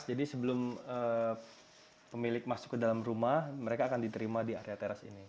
jadi sebelum pemilik masuk ke dalam rumah mereka akan diterima di area teras ini